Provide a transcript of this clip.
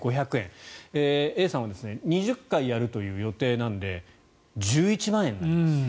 Ａさんは２０回やるという予定なので１１万円なんです。